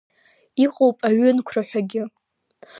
Иҟоуп аҩынқәра ҳәагьы.